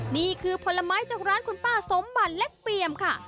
นี่คือผลไม้จากร้านคุณป้าสมบัติเล็กเปียมค่ะ